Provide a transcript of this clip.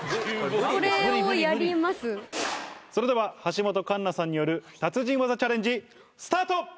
それでは橋本環奈さんによる達人技チャレンジスタート！